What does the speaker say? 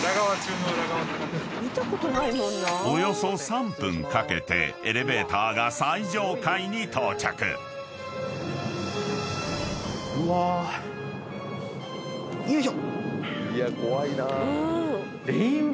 ［およそ３分かけてエレベーターが］うわ。よいしょ！